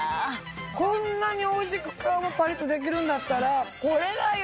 こんなにおいしく皮がパリっとできるんだったらこれだよ！